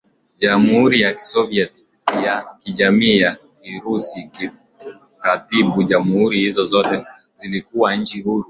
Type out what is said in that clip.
Jamhuri ya Kisovyiet ya Kijamii ya KirusiKikatiba jamhuri hizo zote zilikuwa nchi huru